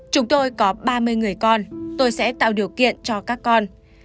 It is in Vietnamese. chúng tôi có ba mươi người con tôi sẽ tạo điều kiện cho các con